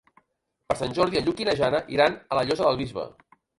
Per Sant Jordi en Lluc i na Jana iran a la Llosa del Bisbe.